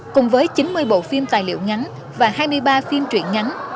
cùng với chín mươi bộ phim tài liệu ngắn và hai mươi ba phim truyện ngắn